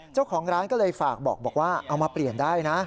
เจ้าของร้านก็เลยฝากบอกว่าเอามาเปลี่ยนได้นะ